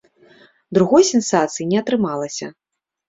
Другой сенсацыі не атрымалася.